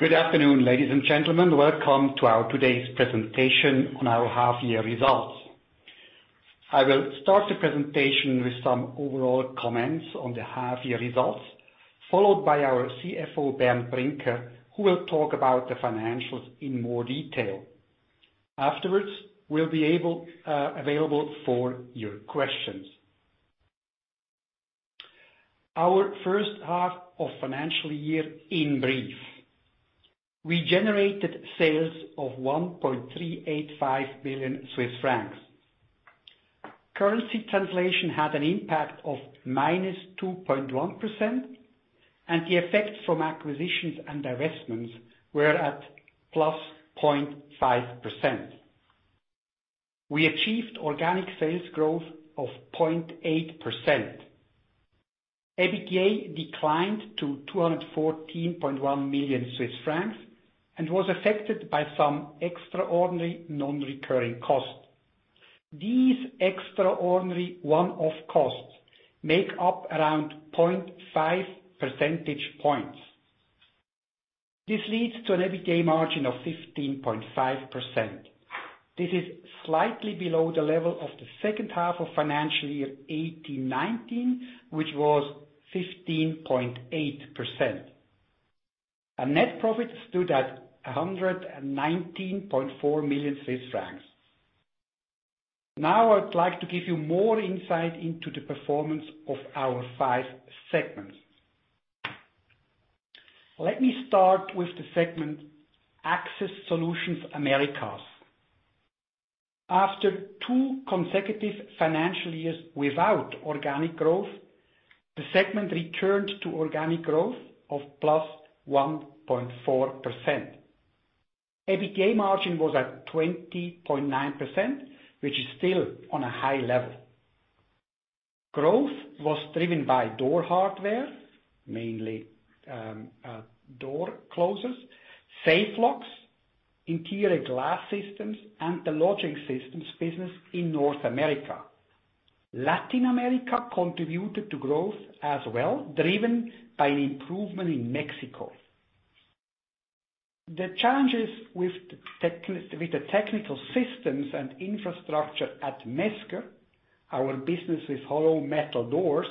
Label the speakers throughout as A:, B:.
A: Good afternoon, ladies and gentlemen. Welcome to our today's presentation on our half year results. I will start the presentation with some overall comments on the half year results, followed by our CFO, Bernd Brinker, who will talk about the financials in more detail. Afterwards, we'll be available for your questions. Our first half of financial year, in brief. We generated sales of 1.385 billion Swiss francs. Currency translation had an impact of -2.1%. The effects from acquisitions and divestments were at +0.5%. We achieved organic sales growth of 0.8%. EBITDA declined to 214.1 million Swiss francs and was affected by some extraordinary non-recurring costs. These extraordinary one-off costs make up around 0.5 percentage points. This leads to an EBITDA margin of 15.5%. This is slightly below the level of the second half of financial year 2018/2019, which was 15.8%. Net profit stood at 119.4 million Swiss francs. I would like to give you more insight into the performance of our five segments. Let me start with the segment Access Solutions Americas. After two consecutive financial years without organic growth, the segment returned to organic growth of +1.4%. EBITDA margin was at 20.9%, which is still on a high level. Growth was driven by door hardware, mainly door closers, safe locks, interior glass systems, and the lodging systems business in North America. Latin America contributed to growth as well, driven by an improvement in Mexico. The challenges with the technical systems and infrastructure at Mesker, our business with hollow metal doors,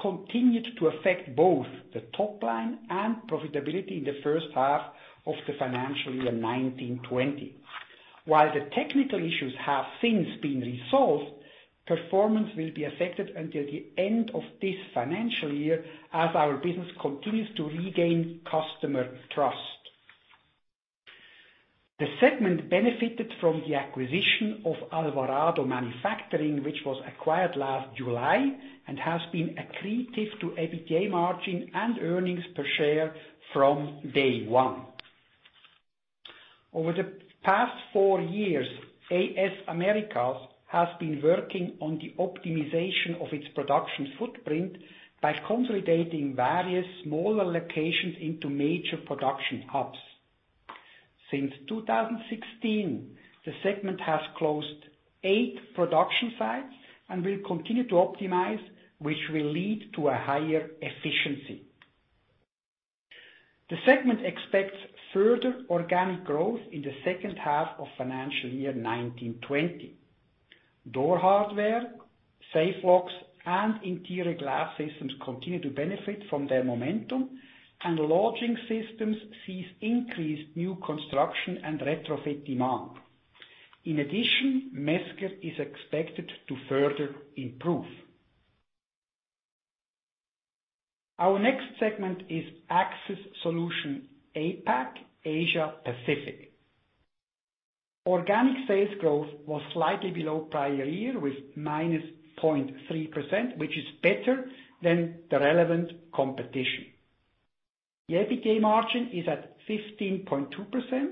A: continued to affect both the top line and profitability in the first half of the financial year 2019/2020. While the technical issues have since been resolved, performance will be affected until the end of this financial year as our business continues to regain customer trust. The segment benefited from the acquisition of Alvarado Manufacturing, which was acquired last July and has been accretive to EBITDA margin and earnings per share from day one. Over the past four years, AS Americas has been working on the optimization of its production footprint by consolidating various smaller locations into major production hubs. Since 2016, the segment has closed eight production sites and will continue to optimize, which will lead to a higher efficiency. The segment expects further organic growth in the second half of financial year 2019/2020. Door hardware, safe locks, and interior glass systems continue to benefit from their momentum, and lodging systems sees increased new construction and retrofit demand. In addition, Mesker is expected to further improve. Our next segment is Access Solutions APAC, Asia Pacific. Organic sales growth was slightly below prior year with -0.3%, which is better than the relevant competition. The EBITDA margin is at 15.2%,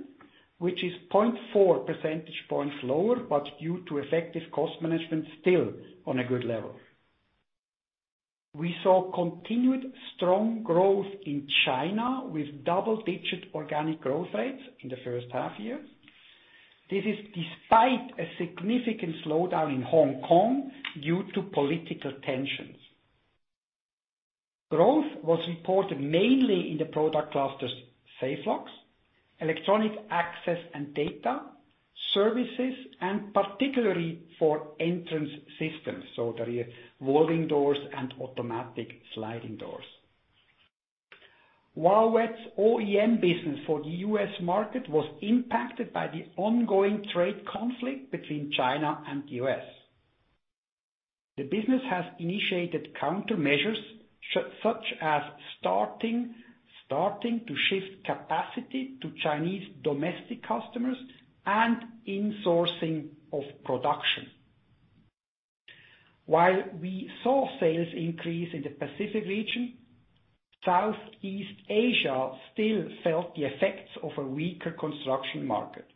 A: which is 0.4 percentage points lower, due to effective cost management, still on a good level. We saw continued strong growth in China with double-digit organic growth rates in the first half year. This is despite a significant slowdown in Hong Kong due to political tensions. Growth was reported mainly in the product clusters safe locks, Electronic Access & Data, services, and particularly for Entrance Systems, so the Revolving Doors and Automatic Sliding Doors. Wah Yuet's OEM business for the U.S. market was impacted by the ongoing trade conflict between China and the U.S. The business has initiated countermeasures, such as starting to shift capacity to Chinese domestic customers and insourcing of production. While we saw sales increase in the Pacific region, Southeast Asia still felt the effects of a weaker construction market.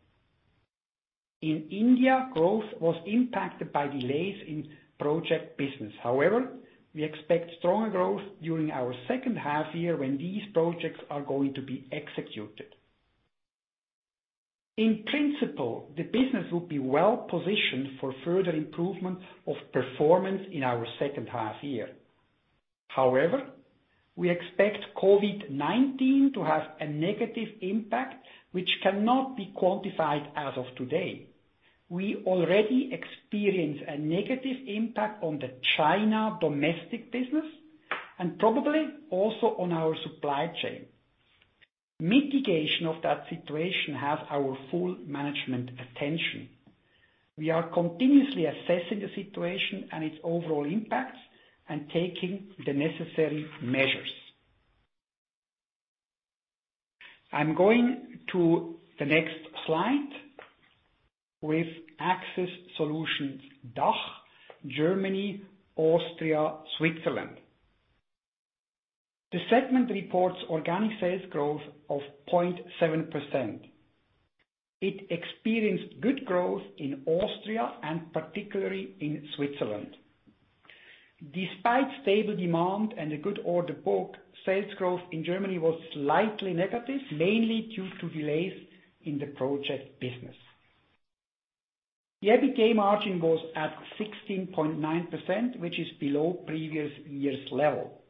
A: In India, growth was impacted by delays in project business. However, we expect stronger growth during our second half year when these projects are going to be executed. In principle, the business will be well-positioned for further improvement of performance in our second half year. However, we expect COVID-19 to have a negative impact, which cannot be quantified as of today. We already experience a negative impact on the China domestic business, and probably also on our supply chain. Mitigation of that situation has our full management attention. We are continuously assessing the situation and its overall impacts, and taking the necessary measures. I'm going to the next slide with Access Solutions DACH, Germany, Austria, Switzerland. The segment reports organic sales growth of 0.7%. It experienced good growth in Austria, and particularly in Switzerland. Despite stable demand and a good order book, sales growth in Germany was slightly negative, mainly due to delays in the project business. The EBITDA margin was at 16.9%, which is below previous year's level.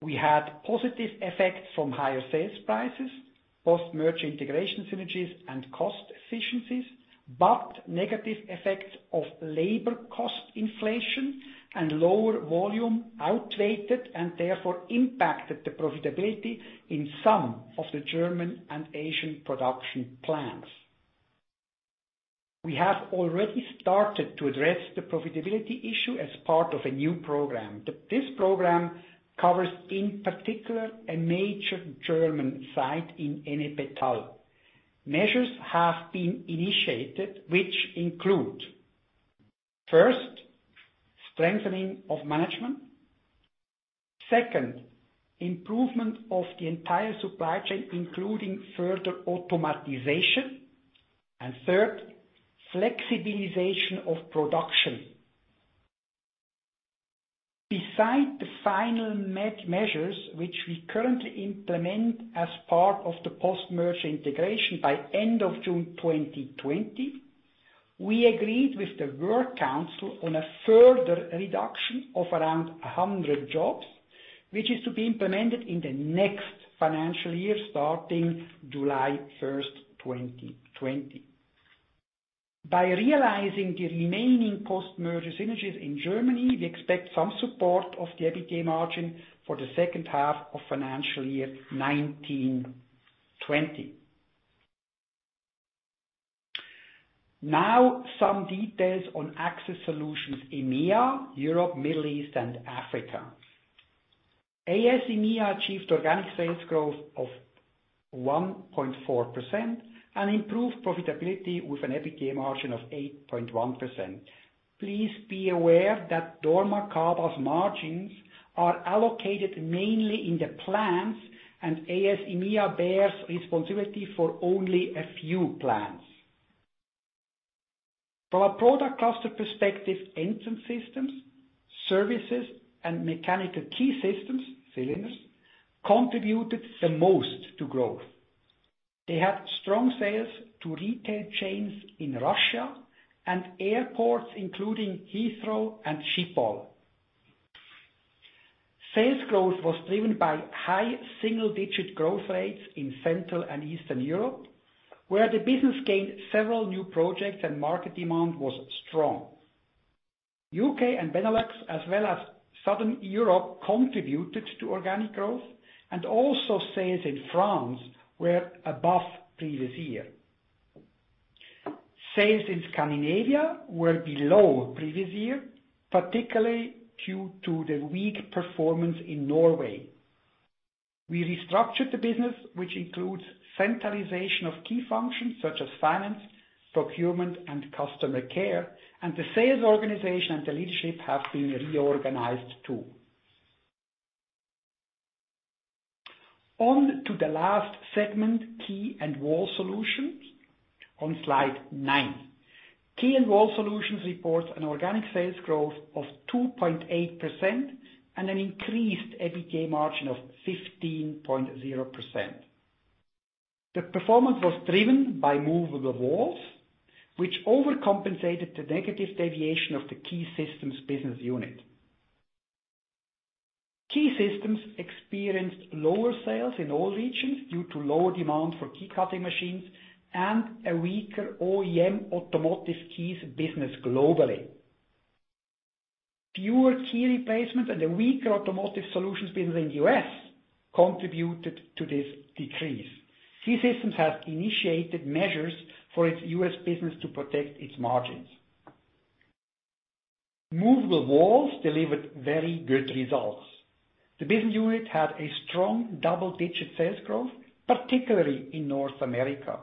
A: We had positive effects from higher sales prices, post-merger integration synergies, and cost efficiencies, but negative effects of labor cost inflation and lower volume outweighed it, and therefore impacted the profitability in some of the German and Asian production plants. We have already started to address the profitability issue as part of a new program. This program covers, in particular, a major German site in Ennepetal. Measures have been initiated, which include, first, strengthening of management. Second, improvement of the entire supply chain, including further automatization. Third, flexibilization of production. Beside the final measures, which we currently implement as part of the post-merger integration by end of June 2020, we agreed with the work council on a further reduction of around 100 jobs, which is to be implemented in the next financial year, starting July 1st, 2020. By realizing the remaining post-merger synergies in Germany, we expect some support of the EBITDA margin for the second half of financial year 2019/2020. Now some details on Access Solutions EMEA, Europe, Middle East, and Africa. AS EMEA achieved organic sales growth of 1.4% and improved profitability with an EBITDA margin of 8.1%. Please be aware that dormakaba's margins are allocated mainly in the plants, and AS EMEA bears responsibility for only a few plants. From a product cluster perspective, Entrance Systems, services, and Mechanical Key Systems, cylinders, contributed the most to growth. They had strong sales to retail chains in Russia and airports, including Heathrow and Schiphol. Sales growth was driven by high single-digit growth rates in Central and Eastern Europe, where the business gained several new projects and market demand was strong. U.K. and Benelux, as well as Southern Europe, contributed to organic growth, and also sales in France were above previous year. Sales in Scandinavia were below previous year, particularly due to the weak performance in Norway. We restructured the business, which includes centralization of key functions such as finance, procurement, and customer care, and the sales organization and the leadership have been reorganized, too. On to the last segment, Key & Wall Solutions, on slide nine. Key & Wall Solutions reports an organic sales growth of 2.8% and an increased EBITDA margin of 15.0%. The performance was driven by Movable Walls, which overcompensated the negative deviation of the Key Systems business unit. Key Systems experienced lower sales in all regions due to lower demand for key cutting machines and a weaker OEM automotive keys business globally. Fewer key replacements and a weaker automotive solutions business in the U.S. contributed to this decrease. Key Systems have initiated measures for its U.S. business to protect its margins. Movable Walls delivered very good results. The business unit had a strong double-digit sales growth, particularly in North America.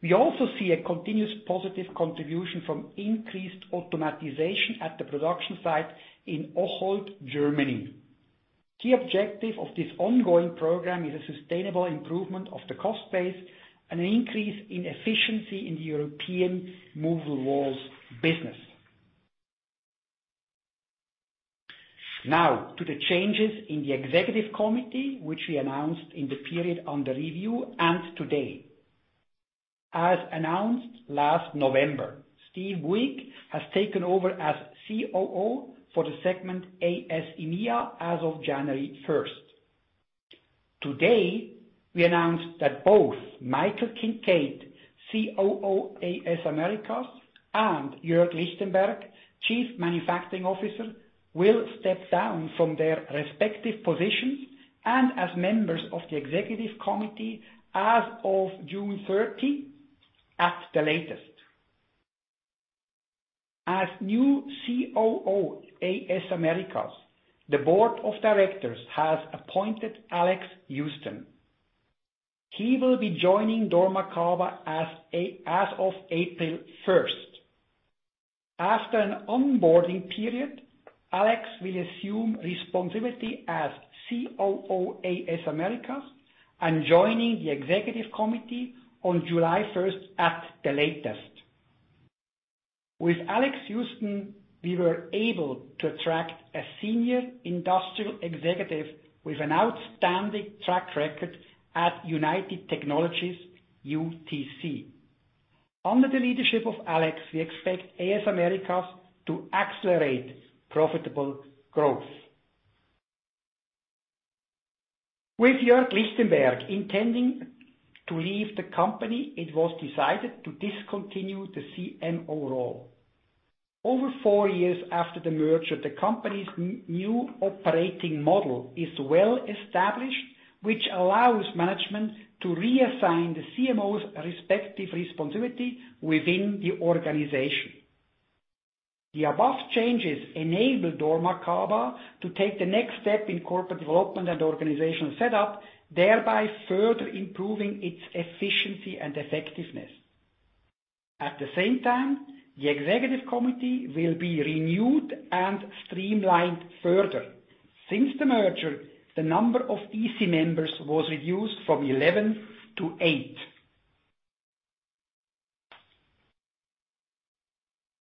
A: We also see a continuous positive contribution from increased automatization at the production site in Ocholt, Germany. Key objective of this ongoing program is a sustainable improvement of the cost base and an increase in efficiency in the European Movable Walls business. Now to the changes in the executive committee, which we announced in the period on the review and today. As announced last November, Steve Bewick has taken over as COO for the segment AS EMEA as of January 1st. Today, we announced that both Michael Kincaid, COO, AS Americas, and Jörg Lichtenberg, Chief Manufacturing Officer, will step down from their respective positions and as members of the Executive Committee as of June 30 at the latest. As new COO, AS Americas, the board of directors has appointed Alex Housten. He will be joining dormakaba as of April 1st. After an onboarding period, Alex will assume responsibility as COO, AS Americas, and joining the Executive Committee on July 1st at the latest. With Alex Housten, we were able to attract a senior industrial executive with an outstanding track record at United Technologies, UTC. Under the leadership of Alex, we expect AS Americas to accelerate profitable growth. With Jörg Lichtenberg intending to leave the company, it was decided to discontinue the CMO role. Over four years after the merger, the company's new operating model is well-established, which allows management to reassign the CMO's respective responsibility within the organization. The above changes enable dormakaba to take the next step in corporate development and organizational setup, thereby further improving its efficiency and effectiveness. At the same time, the executive committee will be renewed and streamlined further. Since the merger, the number of EC members was reduced from 11 to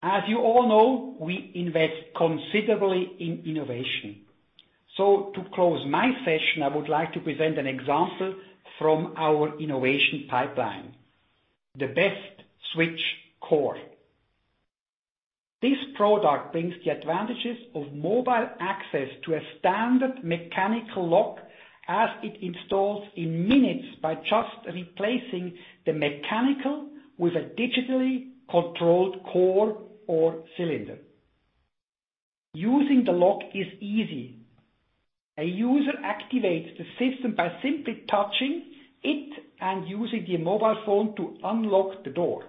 A: eight. To close my session, I would like to present an example from our innovation pipeline, the best Switch Core. This product brings the advantages of mobile access to a standard mechanical lock as it installs in minutes by just replacing the mechanical with a digitally controlled core or cylinder. Using the lock is easy. A user activates the system by simply touching it and using the mobile phone to unlock the door.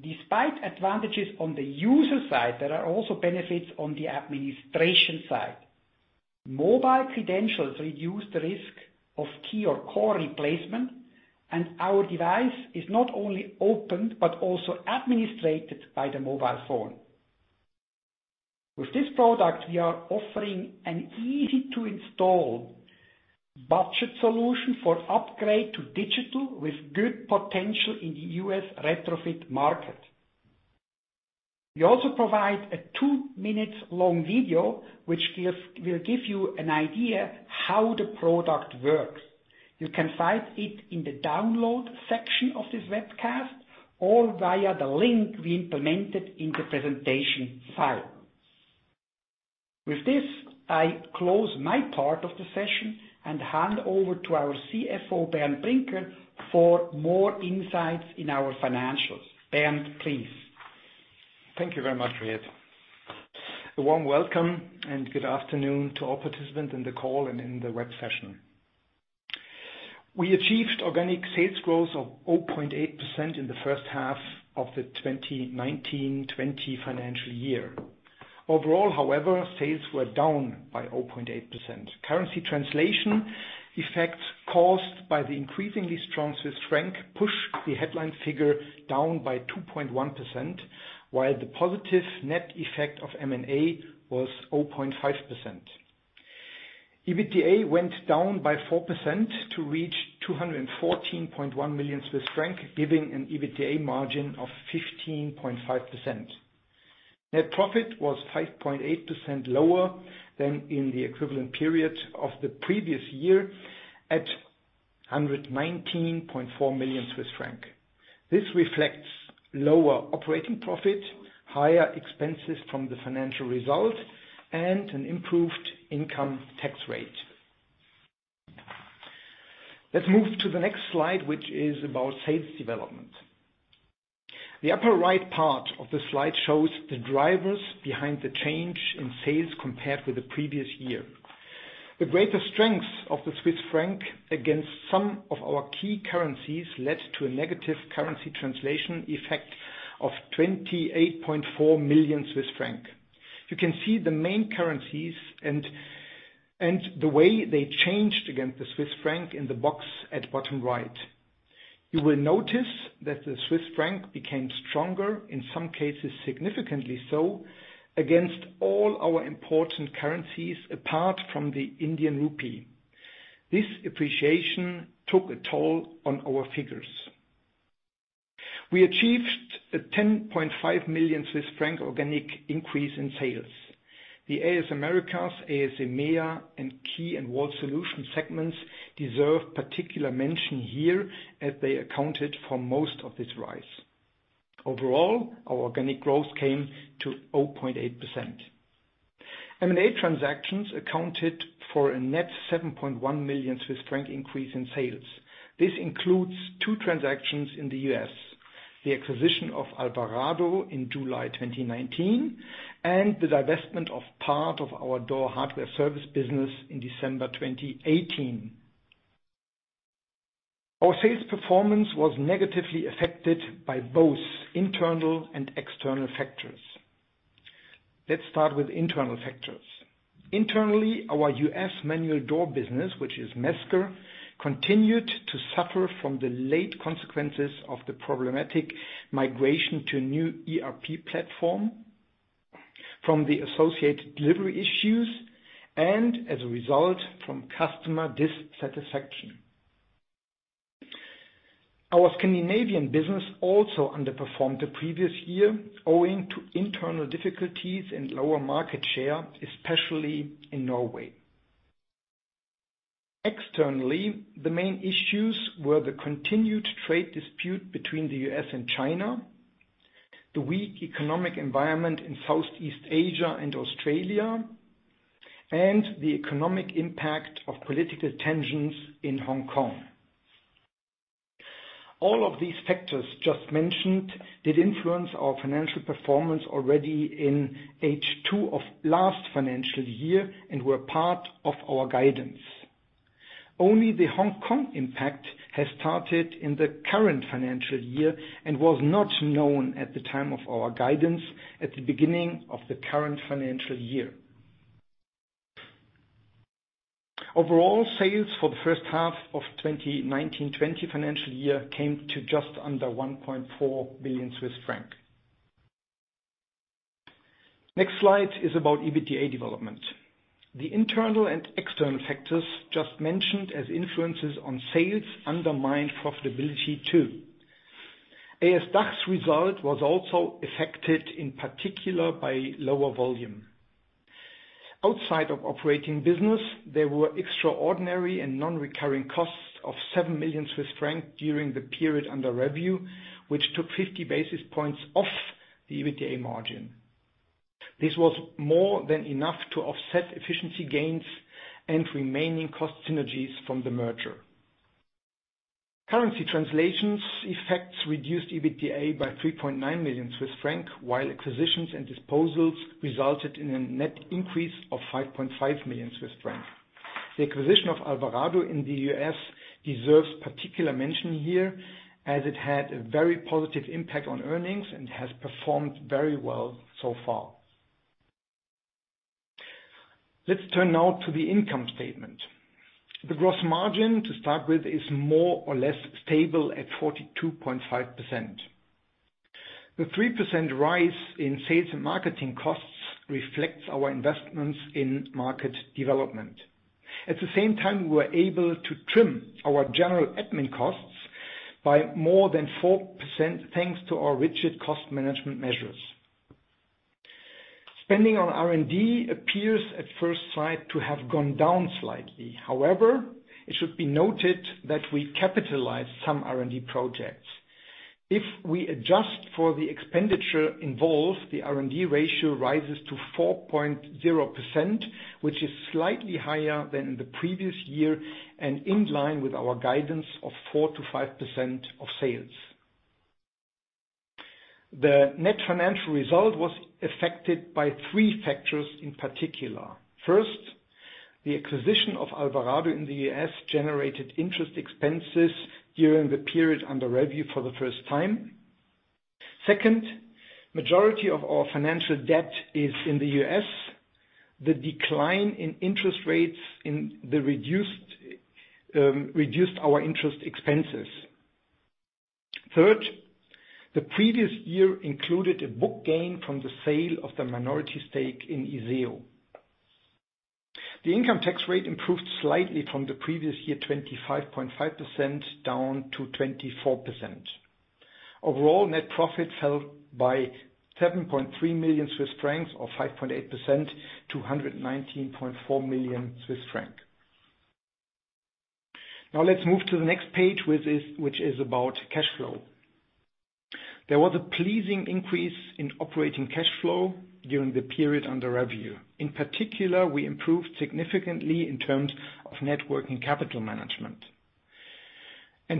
A: Despite advantages on the user side, there are also benefits on the administration side. Mobile credentials reduce the risk of key or core replacement, and our device is not only opened but also administrated by the mobile phone. With this product, we are offering an easy-to-install budget solution for upgrade to digital with good potential in the U.S. retrofit market. We also provide a two-minute-long video, which will give you an idea how the product works. You can find it in the download section of this webcast or via the link we implemented in the presentation file. With this, I close my part of the session and hand over to our CFO, Bernd Brinker, for more insights in our financials. Bernd, please.
B: Thank you very much, Riet. A warm welcome and good afternoon to all participants in the call and in the web session. We achieved organic sales growth of 0.8% in the first half of the 2019/2020 financial year. Overall, however, sales were down by 0.8%. Currency translation effects caused by the increasingly strong Swiss franc pushed the headline figure down by 2.1%, while the positive net effect of M&A was 0.5%. EBITDA went down by 4% to reach 214.1 million Swiss franc, giving an EBITDA margin of 15.5%. Net profit was 5.8% lower than in the equivalent period of the previous year at 119.4 million Swiss franc. This reflects lower operating profit, higher expenses from the financial result, and an improved income tax rate. Let's move to the next slide, which is about sales development. The upper right part of the slide shows the drivers behind the change in sales compared with the previous year. The greater strength of the Swiss franc against some of our key currencies led to a negative currency translation effect of 28.4 million Swiss francs. You can see the main currencies and the way they changed against the Swiss franc in the box at bottom right. You will notice that the Swiss franc became stronger, in some cases, significantly so, against all our important currencies, apart from the Indian rupee. This appreciation took a toll on our figures. We achieved a 10.5 million Swiss franc organic increase in sales. The AS AMER, AS EMEA, and Key & Wall Solutions segments deserve particular mention here, as they accounted for most of this rise. Overall, our organic growth came to 0.8%. M&A transactions accounted for a net 7.1 million Swiss franc increase in sales. This includes two transactions in the U.S., the acquisition of Alvarado in July 2019, and the divestment of part of our door hardware service business in December 2018. Our sales performance was negatively affected by both internal and external factors. Let's start with internal factors. Internally, our U.S. manual door business, which is Mesker, continued to suffer from the late consequences of the problematic migration to new ERP platform, from the associated delivery issues, and as a result, from customer dissatisfaction. Our Scandinavian business also underperformed the previous year owing to internal difficulties and lower market share, especially in Norway. Externally, the main issues were the continued trade dispute between the U.S. and China, the weak economic environment in Southeast Asia and Australia, and the economic impact of political tensions in Hong Kong. All of these factors just mentioned did influence our financial performance already in H2 of last financial year and were part of our guidance. Only the Hong Kong impact has started in the current financial year and was not known at the time of our guidance at the beginning of the current financial year. Overall sales for the first half of 2019/2020 financial year came to just under 1.4 billion Swiss franc. Next slide is about EBITDA development. The internal and external factors just mentioned as influences on sales undermined profitability too. AS DACH's result was also affected in particular by lower volume. Outside of operating business, there were extraordinary and non-recurring costs of 7 million Swiss francs during the period under review, which took 50 basis points off the EBITDA margin. This was more than enough to offset efficiency gains and remaining cost synergies from the merger. Currency translations effects reduced EBITDA by 3.9 million Swiss francs, while acquisitions and disposals resulted in a net increase of 5.5 million Swiss francs. The acquisition of Alvarado in the U.S. deserves particular mention here, as it had a very positive impact on earnings and has performed very well so far. Let's turn now to the income statement. The gross margin, to start with, is more or less stable at 42.5%. The 3% rise in sales and marketing costs reflects our investments in market development. At the same time, we were able to trim our general admin costs by more than 4% thanks to our rigid cost management measures. Spending on R&D appears at first sight to have gone down slightly. However, it should be noted that we capitalize some R&D projects. If we adjust for the expenditure involved, the R&D ratio rises to 4.0%, which is slightly higher than the previous year and in line with our guidance of 4%-5% of sales. The net financial result was affected by three factors in particular. The acquisition of Alvarado in the U.S. generated interest expenses during the period under review for the first time. Majority of our financial debt is in the U.S. The decline in interest rates reduced our interest expenses. The previous year included a book gain from the sale of the minority stake in ISEO. The income tax rate improved slightly from the previous year, 25.5% down to 24%. Overall, net profit fell by 7.3 million Swiss francs or 5.8% to 119.4 million Swiss francs. Let's move to the next page, which is about cash flow. There was a pleasing increase in operating cash flow during the period under review. In particular, we improved significantly in terms of net working capital management.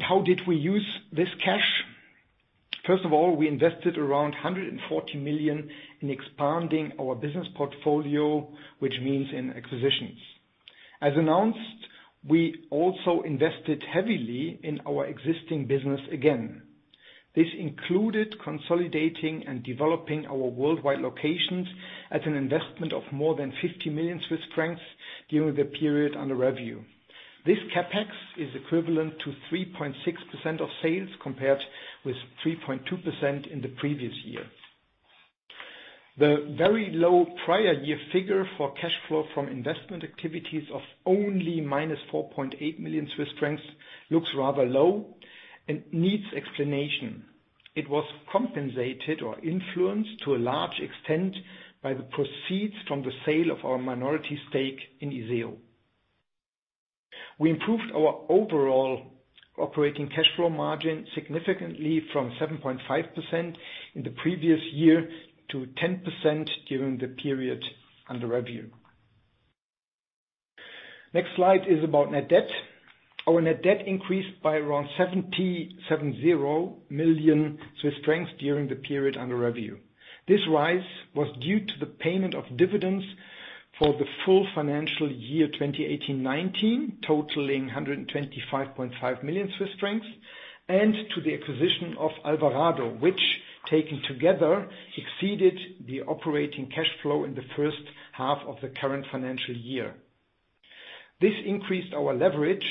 B: How did we use this cash? First of all, we invested around 140 million in expanding our business portfolio, which means in acquisitions. As announced, we also invested heavily in our existing business again. This included consolidating and developing our worldwide locations at an investment of more than 50 million Swiss francs during the period under review. This CapEx is equivalent to 3.6% of sales compared with 3.2% in the previous year. The very low prior year figure for cash flow from investment activities of only minus 4.8 million Swiss francs looks rather low and needs explanation. It was compensated or influenced to a large extent by the proceeds from the sale of our minority stake in ISEO. We improved our overall operating cash flow margin significantly from 7.5% in the previous year to 10% during the period under review. Next slide is about net debt. Our net debt increased by around 70 million Swiss francs during the period under review. This rise was due to the payment of dividends for the full financial year 2018/2019, totaling 125.5 million Swiss francs, and to the acquisition of Alvarado, which, taken together, exceeded the operating cash flow in the first half of the current financial year. This increased our leverage,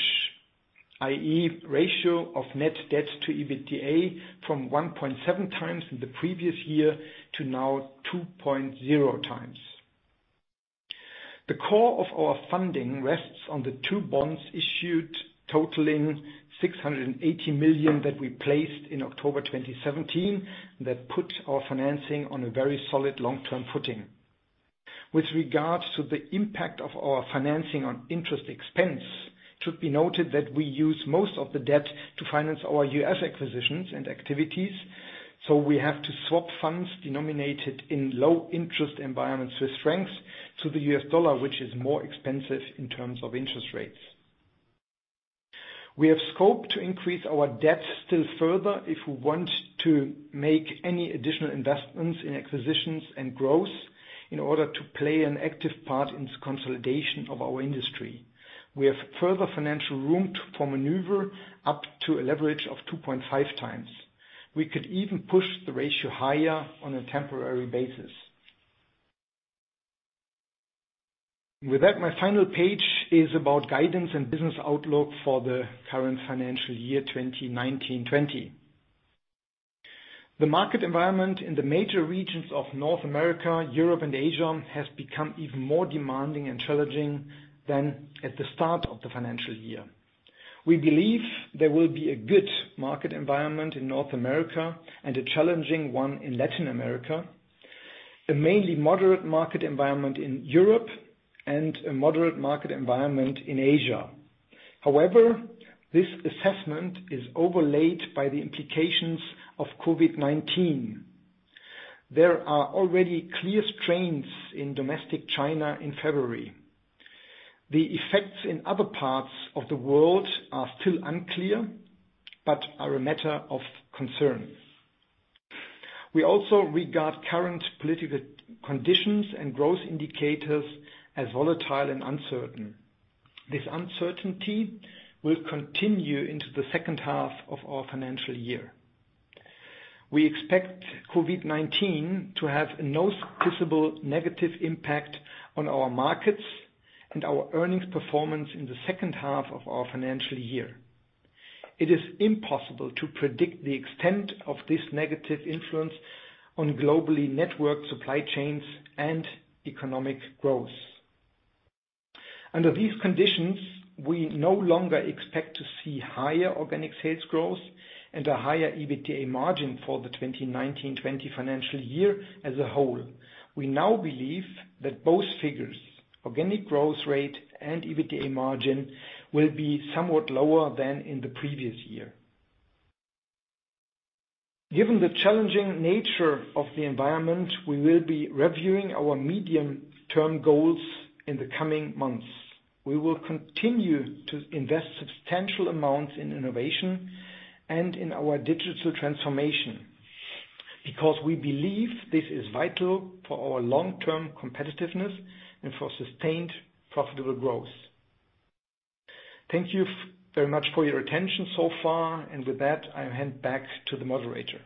B: i.e., ratio of net debt to EBITDA from 1.7x in the previous year to now 2.0x. The core of our funding rests on the two bonds issued totaling 680 million that we placed in October 2017. That put our financing on a very solid long-term footing. With regards to the impact of our financing on interest expense, it should be noted that we use most of the debt to finance our U.S. acquisitions and activities, so we have to swap funds denominated in low interest environment Swiss francs to the U.S. dollar, which is more expensive in terms of interest rates. We have scope to increase our debt still further if we want to make any additional investments in acquisitions and growth in order to play an active part in the consolidation of our industry. We have further financial room for maneuver up to a leverage of 2.5x. We could even push the ratio higher on a temporary basis. With that, my final page is about guidance and business outlook for the current financial year 2019/2020. The market environment in the major regions of North America, Europe, and Asia has become even more demanding and challenging than at the start of the financial year. We believe there will be a good market environment in North America and a challenging one in Latin America, a mainly moderate market environment in Europe, and a moderate market environment in Asia. However, this assessment is overlaid by the implications of COVID-19. There are already clear strains in domestic China in February. The effects in other parts of the world are still unclear, but are a matter of concern. We also regard current political conditions and growth indicators as volatile and uncertain. This uncertainty will continue into the second half of our financial year. We expect COVID-19 to have no visible negative impact on our markets and our earnings performance in the second half of our financial year. It is impossible to predict the extent of this negative influence on globally networked supply chains and economic growth. Under these conditions, we no longer expect to see higher organic sales growth and a higher EBITDA margin for the 2019/2020 financial year as a whole. We now believe that both figures, organic growth rate and EBITDA margin, will be somewhat lower than in the previous year. Given the challenging nature of the environment, we will be reviewing our medium-term goals in the coming months. We will continue to invest substantial amounts in innovation and in our digital transformation because we believe this is vital for our long-term competitiveness and for sustained profitable growth. Thank you very much for your attention so far, and with that, I hand back to the moderator.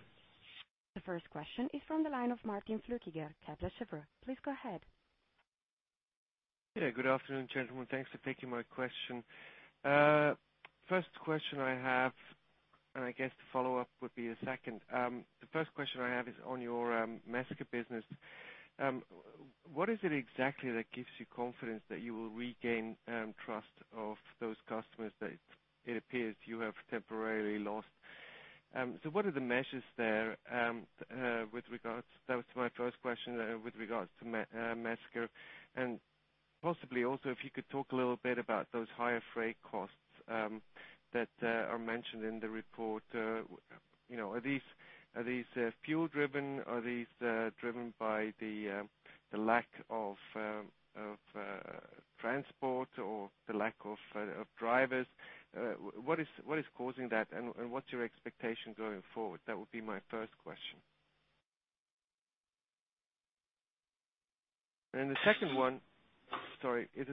C: The first question is from the line of Martin Flückiger, Kepler Cheuvreux. Please go ahead.
D: Good afternoon, gentlemen. Thanks for taking my question. First question I have, and I guess the follow-up would be the second. The first question I have is on your Mesker business. What is it exactly that gives you confidence that you will regain trust of those customers that it appears you have temporarily lost? What are the measures there. That was my first question with regards to Mesker. Possibly also, if you could talk a little bit about those higher freight costs that are mentioned in the report. Are these fuel driven? Are these driven by the lack of transport or the lack of drivers? What is causing that and what's your expectation going forward? That would be my first question. The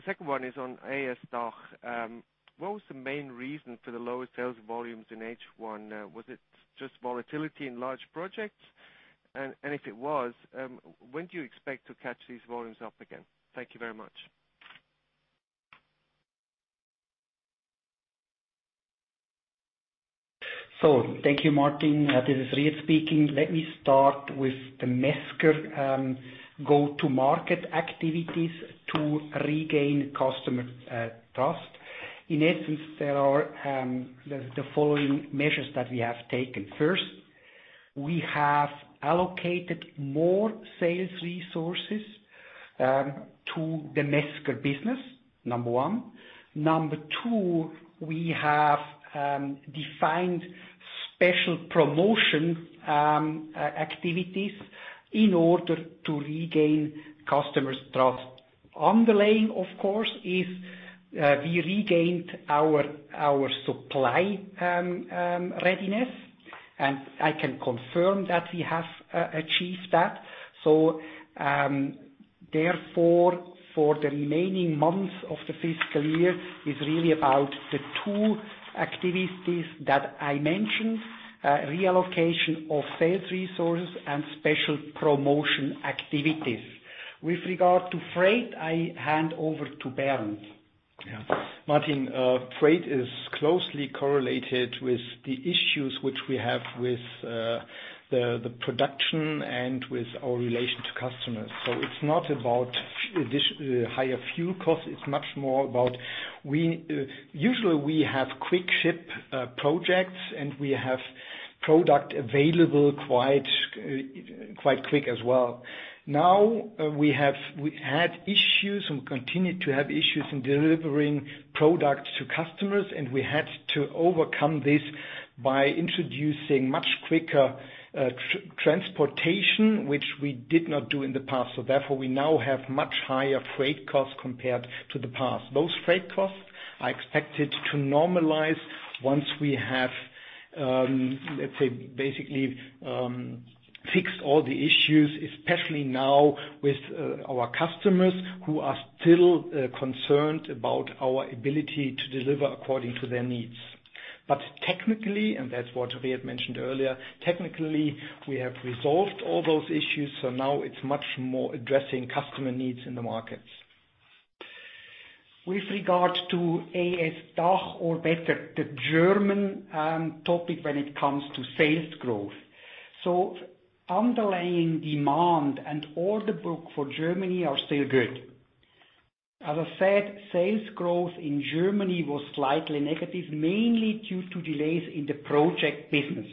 D: second one is on AS DACH. What was the main reason for the lower sales volumes in H1? Was it just volatility in large projects? If it was, when do you expect to catch these volumes up again? Thank you very much.
A: Thank you, Martin. This is Riet speaking. Let me start with the Mesker go-to-market activities to regain customer trust. In essence, there are the following measures that we have taken. First, we have allocated more sales resources to the Mesker business. Number one. Number two, we have defined special promotion activities in order to regain customers' trust. Underlying, of course, is we regained our supply readiness, and I can confirm that we have achieved that. Therefore, for the remaining months of the fiscal year, is really about the two activities that I mentioned, reallocation of sales resources and special promotion activities. With regard to freight, I hand over to Bernd.
B: Martin, freight is closely correlated with the issues which we have with the production and with our relation to customers. It's not about the higher fuel cost. It's much more about, usually we have quick ship projects, and we have product available quite quick as well. Now, we had issues and we continue to have issues in delivering products to customers, and we had to overcome this by introducing much quicker transportation, which we did not do in the past. Therefore, we now have much higher freight costs compared to the past. Those freight costs are expected to normalize once we have, let's say, basically fixed all the issues, especially now with our customers who are still concerned about our ability to deliver according to their needs. Technically, and that's what Riet mentioned earlier, technically, we have resolved all those issues, so now it's much more addressing customer needs in the markets.
A: With regard to AS DACH, or better, the German topic when it comes to sales growth. Underlying demand and order book for Germany are still good. As I said, sales growth in Germany was slightly negative, mainly due to delays in the project business.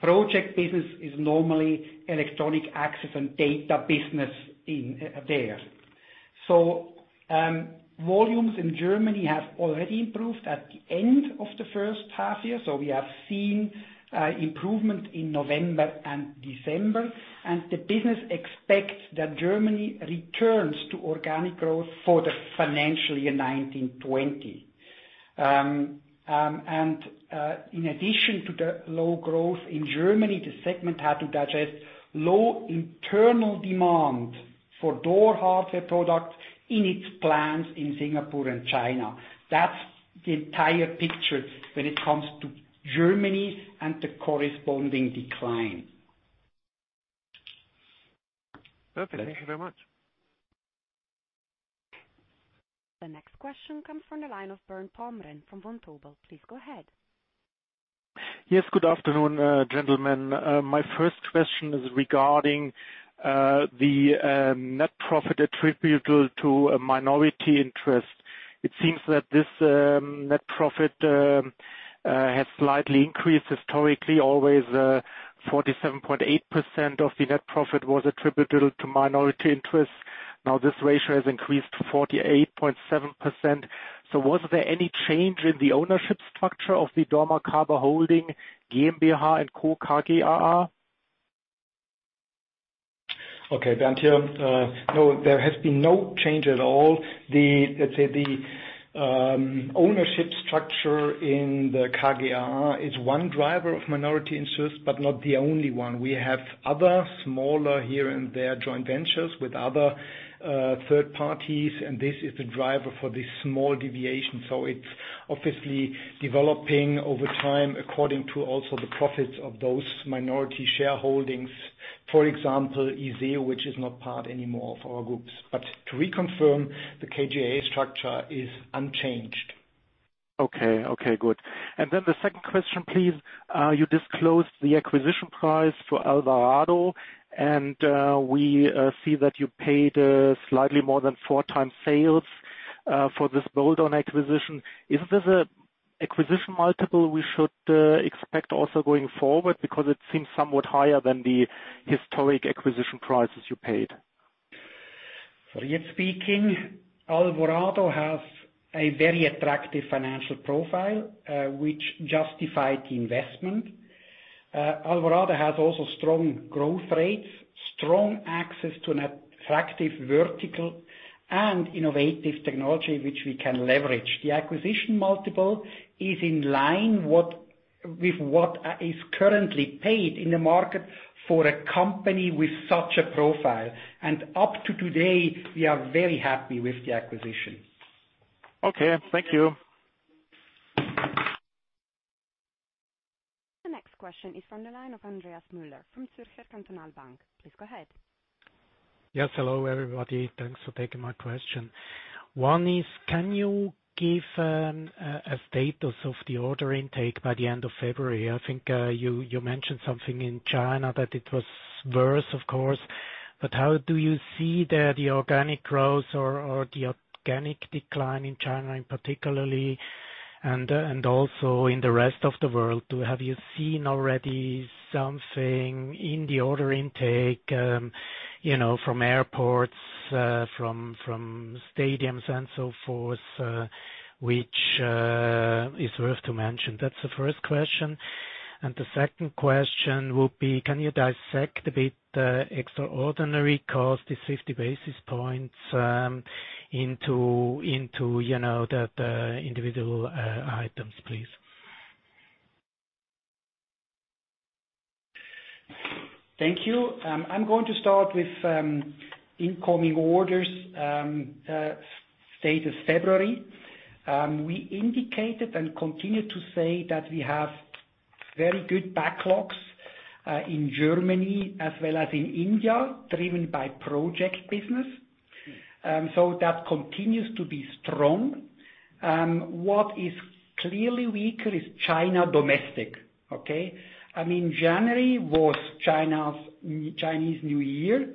A: Project business is normally Electronic Access & Data business there. Volumes in Germany have already improved at the end of the first half year, so we have seen improvement in November and December, and the business expects that Germany returns to organic growth for the financial year 2019/2020. In addition to the low growth in Germany, the segment had to digest low internal demand for door hardware products in its plants in Singapore and China. That's the entire picture when it comes to Germany and the corresponding decline.
D: Perfect. Thank you very much.
C: The next question comes from the line of Bernd Pomrehn from Vontobel. Please go ahead.
E: Yes, good afternoon, gentlemen. My first question is regarding the net profit attributable to a minority interest. It seems that this net profit has slightly increased. Historically, always 47.8% of the net profit was attributable to minority interests. Now this ratio has increased to 48.7%. Was there any change in the ownership structure of the dormakaba Holding GmbH & Co KGaA?
B: Okay, Bernd, here. No, there has been no change at all. Let's say the ownership structure in the KGaA is one driver of minority interest, but not the only one. We have other smaller here and there joint ventures with other third parties, and this is the driver for this small deviation. It's obviously developing over time according to also the profits of those minority shareholdings, for example, ISEO, which is not part anymore of our Group. To reconfirm, the KGaA structure is unchanged.
E: Okay. Okay, good. The second question, please. You disclosed the acquisition price for Alvarado, and we see that you paid slightly more than 4x sales for this build-on acquisition. Is this a acquisition multiple we should expect also going forward? It seems somewhat higher than the historic acquisition prices you paid.
A: Riet speaking. Alvarado has a very attractive financial profile, which justified the investment. Alvarado has also strong growth rates, strong access to an attractive vertical and innovative technology which we can leverage. The acquisition multiple is in line with what is currently paid in the market for a company with such a profile. Up to today, we are very happy with the acquisition.
E: Okay. Thank you.
C: The next question is from the line of Andreas Müller from Zürcher Kantonalbank. Please go ahead.
F: Yes. Hello everybody. Thanks for taking my question. One is, can you give a status of the order intake by the end of February? I think you mentioned something in China, that it was worse, of course. How do you see the organic growth or the organic decline in China, and particularly, and also in the rest of the world? Have you seen already something in the order intake from airports, from stadiums and so forth, which is worth to mention? That's the first question. The second question would be, can you dissect a bit the extraordinary cost, the 50 basis points into the individual items, please?
A: Thank you. I'm going to start with incoming orders, status February. We indicated and continue to say that we have very good backlogs, in Germany as well as in India, driven by project business. That continues to be strong. What is clearly weaker is China domestic. Okay? I mean, January was Chinese New Year,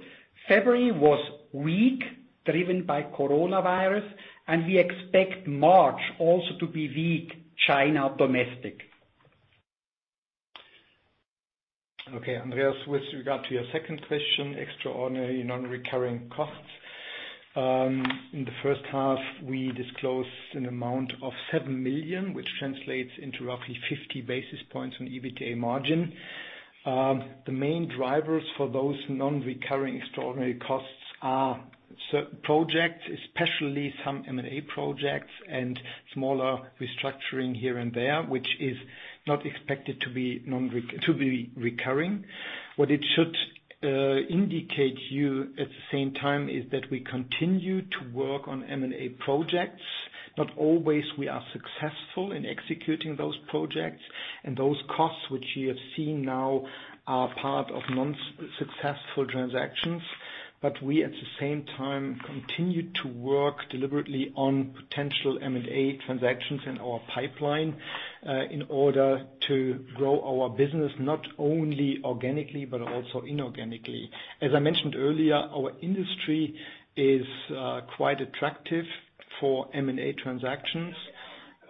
A: February was weak, driven by coronavirus, and we expect March also to be weak, China domestic.
B: Okay, Andreas, with regard to your second question, extraordinary non-recurring costs. In the first half, we disclosed an amount of 7 million, which translates into roughly 50 basis points on EBITDA margin. The main drivers for those non-recurring extraordinary costs are certain projects, especially some M&A projects and smaller restructuring here and there, which is not expected to be recurring. What it should indicate you at the same time is that we continue to work on M&A projects. Not always we are successful in executing those projects, and those costs which you have seen now are part of non-successful transactions. We, at the same time, continue to work deliberately on potential M&A transactions in our pipeline, in order to grow our business, not only organically, but also inorganically. As I mentioned earlier, our industry is quite attractive for M&A transactions.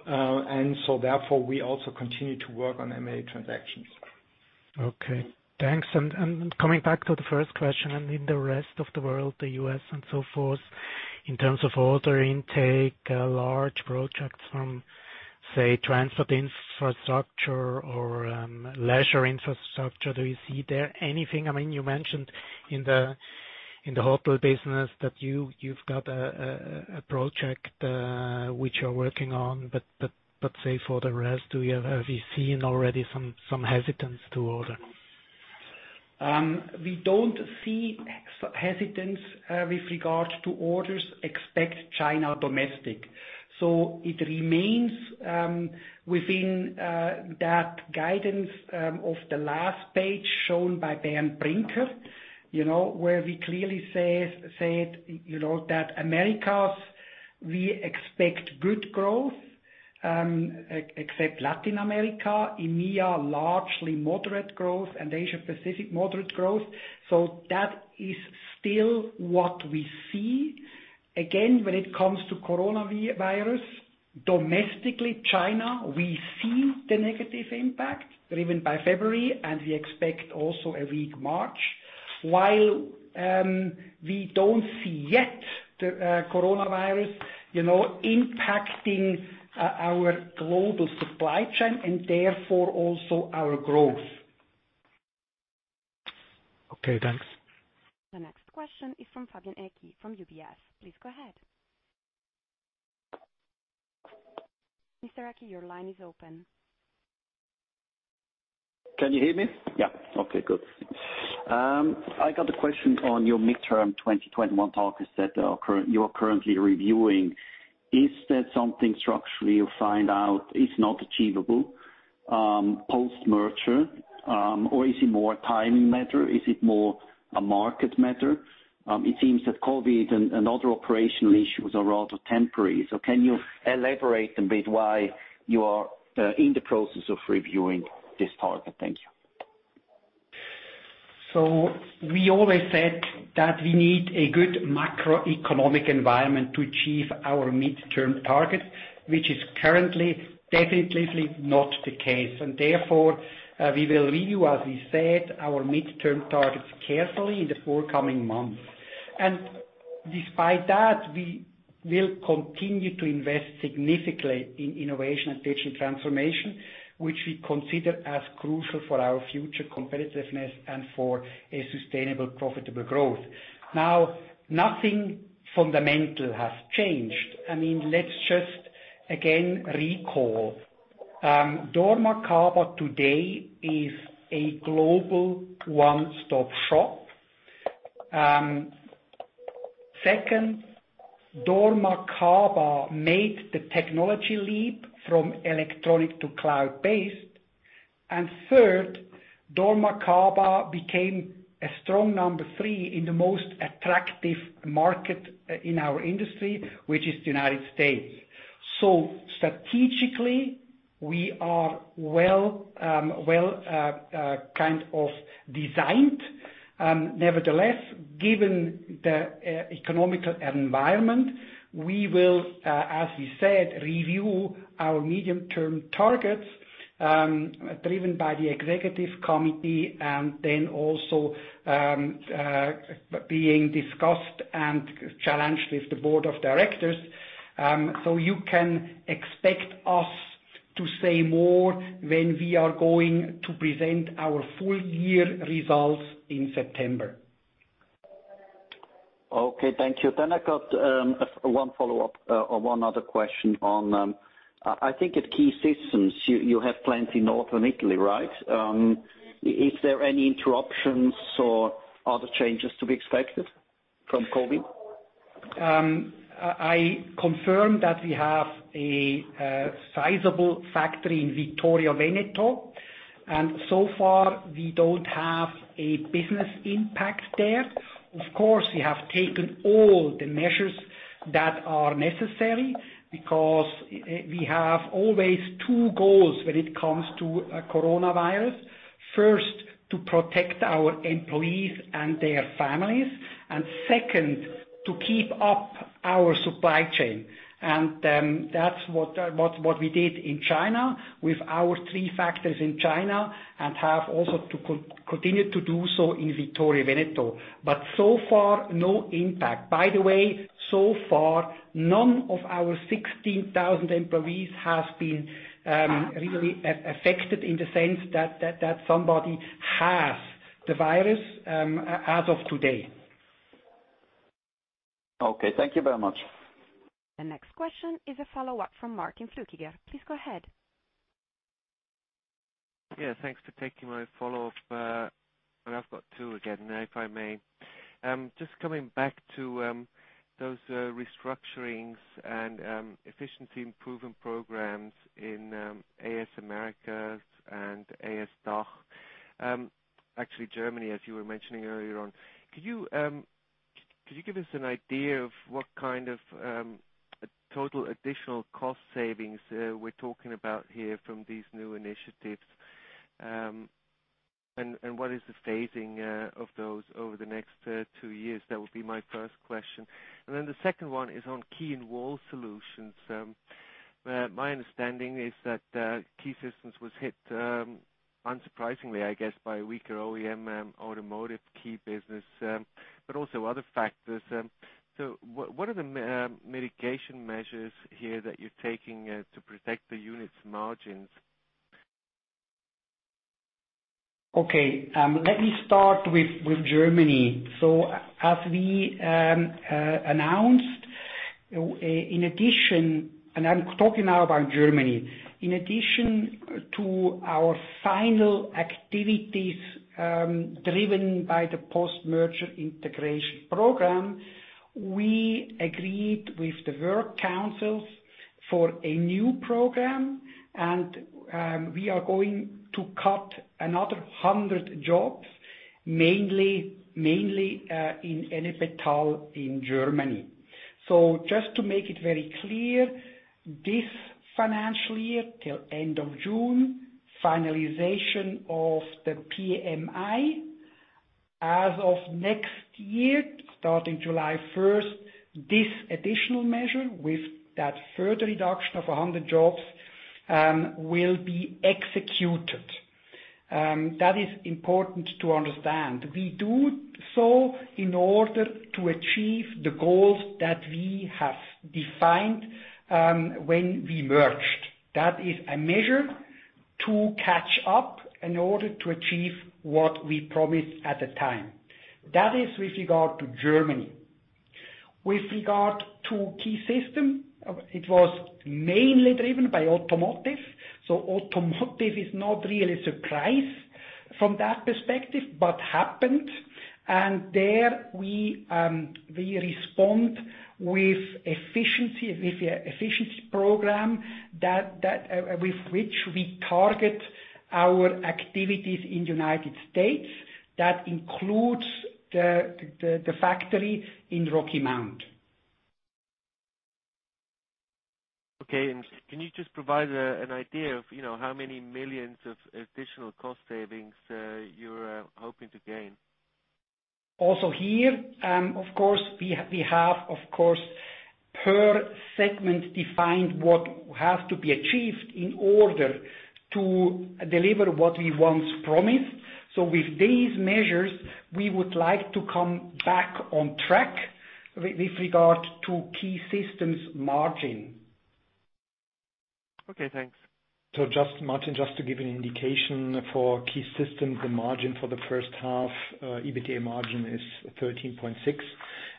B: Therefore, we also continue to work on M&A transactions.
F: Okay, thanks. Coming back to the first question, in the rest of the world, the U.S. and so forth, in terms of order intake, large projects from, say, transport infrastructure or leisure infrastructure, do you see there anything? I mean, you mentioned in the hotel business that you've got a project which you're working on, but say for the rest, have you seen already some hesitance to order?
A: We don't see hesitance with regard to orders except China domestic. It remains within that guidance of the last page shown by Bernd Brinker. Where we clearly said that Americas, we expect good growth, except Latin America. EMEA, largely moderate growth and Asia Pacific, moderate growth. That is still what we see. Again, when it comes to coronavirus, domestically, China, we see the negative impact driven by February, and we expect also a weak March. While we don't see yet the coronavirus impacting our global supply chain and therefore also our growth.
F: Okay, thanks.
C: The next question is from Fabian Haecki from UBS. Please go ahead. Mr. Haecki, your line is open.
G: Can you hear me? Yeah. Okay, good. I got a question on your midterm 2021 targets that you are currently reviewing. Is that something structurally you find out is not achievable, post-merger, or is it more a timing matter? Is it more a market matter? It seems that COVID and other operational issues are rather temporary. Can you elaborate a bit why you are in the process of reviewing this target? Thank you.
A: We always said that we need a good macroeconomic environment to achieve our midterm target, which is currently definitely not the case. Therefore, we will review, as we said, our midterm targets carefully in the forthcoming months. Despite that, we will continue to invest significantly in innovation and digital transformation, which we consider as crucial for our future competitiveness and for a sustainable, profitable growth. Nothing fundamental has changed. I mean, let's just, again, recall. dormakaba today is a global one-stop shop. Second, dormakaba made the technology leap from electronic to cloud-based. Third, dormakaba became a strong number three in the most attractive market in our industry, which is the United States. Strategically, we are well designed. Nevertheless, given the economic environment, we will, as we said, review our medium-term targets, driven by the executive committee, and then also being discussed and challenged with the board of directors. You can expect us to say more when we are going to present our full year results in September.
G: Okay, thank you. I got one follow-up or one other question on, I think at Key Systems, you have plants in northern Italy, right? Is there any interruptions or other changes to be expected from COVID?
A: I confirm that we have a sizable factory in Vittorio Veneto, and so far we don't have a business impact there. Of course, we have taken all the measures that are necessary, because we have always two goals when it comes to coronavirus. First, to protect our employees and their families, and second, to keep up our supply chain. That's what we did in China with our three factories in China and have also to continue to do so in Vittorio Veneto. So far, no impact. By the way, so far, none of our 16,000 employees has been really affected in the sense that somebody has the virus, as of today.
G: Okay. Thank you very much.
C: The next question is a follow-up from Martin Flückiger. Please go ahead.
D: Yeah, thanks for taking my follow-up. I've got two again, if I may. Just coming back to those restructurings and efficiency improvement programs in AS AMER and AS DACH. Actually, Germany, as you were mentioning earlier on. Could you give us an idea of what kind of total additional cost savings we're talking about here from these new initiatives? What is the phasing of those over the next two years? That would be my first question. Then the second one is on Key & Wall Solutions. My understanding is that Key Systems was hit, unsurprisingly, I guess, by a weaker OEM automotive key business, but also other factors. What are the mitigation measures here that you're taking to protect the unit's margins?
A: Let me start with Germany. As we announced, in addition, and I'm talking now about Germany. In addition to our final activities driven by the Post-Merger Integration Program, we agreed with the work councils for a new program, and we are going to cut another 100 jobs, mainly in Ennepetal in Germany. Just to make it very clear, this financial year, till end of June, finalization of the PMI. As of next year, starting July 1st, this additional measure with that further reduction of 100 jobs will be executed. That is important to understand. We do so in order to achieve the goals that we have defined when we merged. That is a measure to catch up in order to achieve what we promised at the time. That is with regard to Germany. With regard to Key Systems, it was mainly driven by automotive. Automotive is not really a surprise from that perspective, but happened. There we respond with efficiency, with the efficiency program with which we target our activities in the United States. That includes the factory in Rocky Mount.
D: Okay. Can you just provide an idea of how many millions of additional cost savings you're hoping to gain?
A: Here, of course, we have per segment defined what has to be achieved in order to deliver what we once promised. With these measures, we would like to come back on track with regard to Key Systems margin.
D: Okay, thanks.
B: Just, Martin, just to give you an indication for Key Systems, the margin for the first half, EBITDA margin is 13.6%,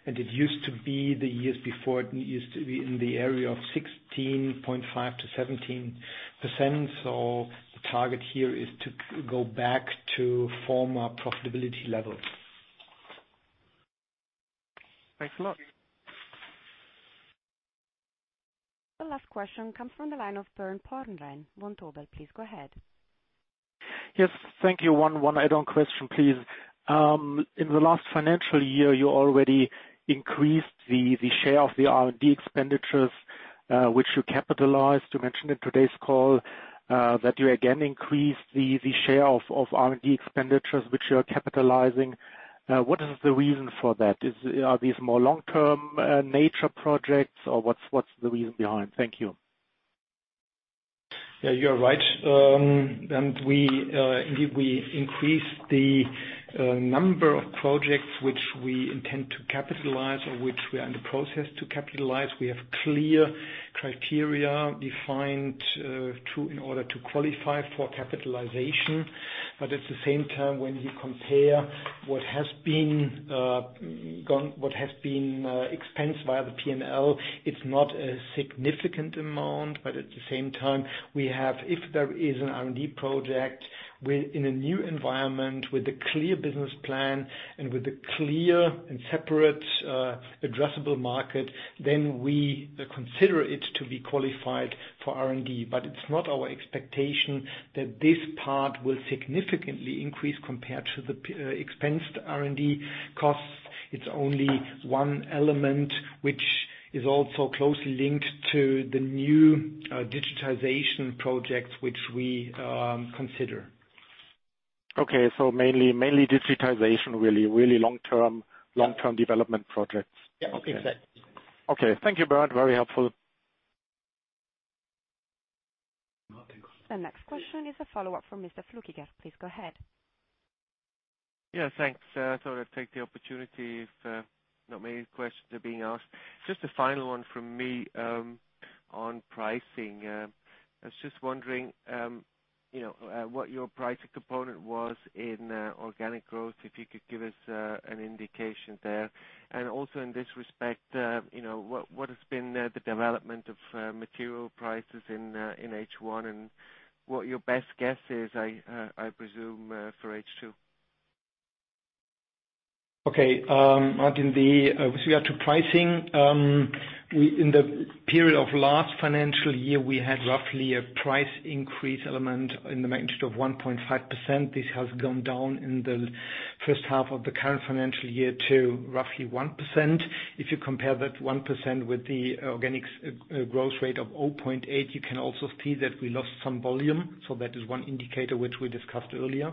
B: and it used to be the years before, it used to be in the area of 16.5%-17%. The target here is to go back to former profitability levels.
D: Thanks a lot.
C: The last question comes from the line of Bernd Pomrehn, Vontobel. Please go ahead.
E: Yes. Thank you. One add-on question, please. In the last financial year, you already increased the share of the R&D expenditures, which you capitalized. You mentioned in today's call that you again increased the share of R&D expenditures, which you are capitalizing. What is the reason for that? Are these more long-term nature projects, or what's the reason behind? Thank you.
B: Yeah, you are right. Indeed, we increased the number of projects which we intend to capitalize or which we are in the process to capitalize. We have clear criteria defined in order to qualify for capitalization. At the same time, when you compare what has been expensed via the P&L, it's not a significant amount. At the same time, if there is an R&D project in a new environment with a clear business plan and with a clear and separate addressable market, then we consider it to be qualified for R&D. It's not our expectation that this part will significantly increase compared to the expensed R&D costs. It's only one element, which is also closely linked to the new digitization projects which we consider.
E: Okay. Mainly digitization, really long-term development projects.
B: Yeah. Okay.
E: Okay. Thank you, Bernd. Very helpful.
C: The next question is a follow-up from Mr. Flückiger. Please go ahead.
D: Yeah. Thanks. I thought I'd take the opportunity if not many questions are being asked. Just a final one from me on pricing. I was just wondering what your pricing component was in organic growth, if you could give us an indication there. Also in this respect, what has been the development of material prices in H1 and what your best guess is, I presume, for H2.
B: Martin, with regard to pricing, in the period of last financial year, we had roughly a price increase element in the magnitude of 1.5%. This has gone down in the first half of the current financial year to roughly 1%. If you compare that 1% with the organic growth rate of 0.8%, you can also see that we lost some volume. That is one indicator which we discussed earlier.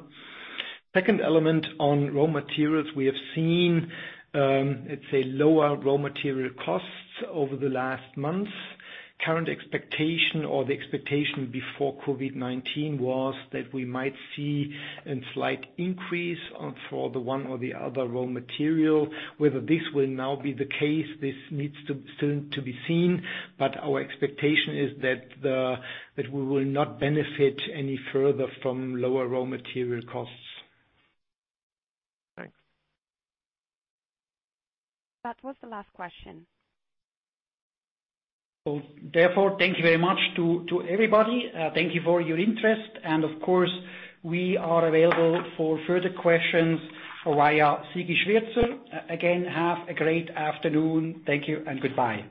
B: Second element on raw materials, we have seen, let's say, lower raw material costs over the last month. Current expectation or the expectation before COVID-19 was that we might see a slight increase for the one or the other raw material. Whether this will now be the case, this needs to soon to be seen. Our expectation is that we will not benefit any further from lower raw material costs.
D: Thanks.
C: That was the last question.
A: Therefore, thank you very much to everybody. Thank you for your interest. Of course, we are available for further questions via Siegfried Schwirzer. Again, have a great afternoon. Thank you, and goodbye.